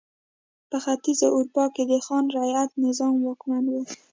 په ختیځه اروپا کې د خان رعیت نظام واکمن و.